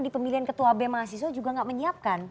di pemilihan ketua b mahasiswa juga nggak menyiapkan